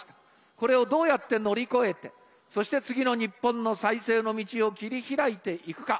これをどうやって乗り越えて、そして次の日本の再生の道を切り開いていくか。